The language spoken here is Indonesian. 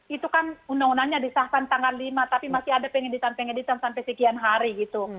itu kan undang undangnya disahkan tanggal lima tapi masih ada pengeditan pengeditan sampai sekian hari gitu